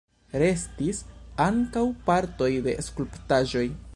Restis ankaŭ partoj de skulptaĵoj.